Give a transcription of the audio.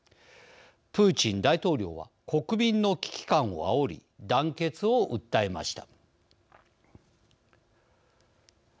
プーチン大統領は国民の危機感をあおり団結を訴えました。